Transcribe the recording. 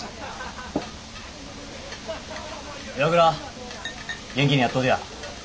岩倉元気にやっとうとや。